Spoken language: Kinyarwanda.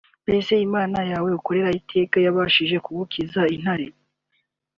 mbese Imana yawe ukorera iteka yabashije kugukiza intare